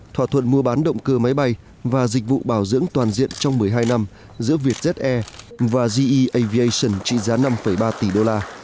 thỏa thuận mua bán động cơ máy bay và dịch vụ bảo dưỡng toàn diện trong một mươi hai năm giữa vietjet air và ge avation trị giá năm ba tỷ đô la